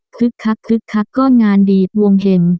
คึกคักคึกคักก็งานดีดวงเห็ม